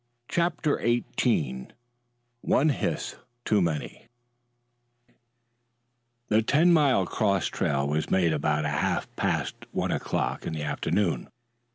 CHAPTER XVIII ONE HISS TOO MANY The Ten Mile cross trail was made about half past one o'clock in the afternoon.